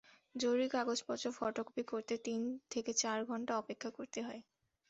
জরুরি কাগজপত্র ফটোকপি করতে তিন থেকে চার ঘণ্টা অপেক্ষা করতে হয়।